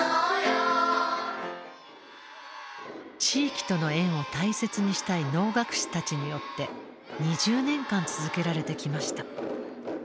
地域との縁を大切にしたい能楽師たちによって２０年間続けられてきました。